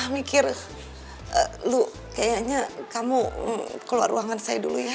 mikir lu kayaknya kamu keluar ruangan saya dulu ya